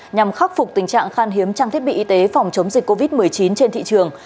nhằm khắc phục tình trạng khan hiếm trang thiết bị y tế phòng chống dịch covid một mươi chín trên thị trường